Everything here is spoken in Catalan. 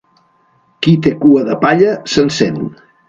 Qui té cua de palla s'encén.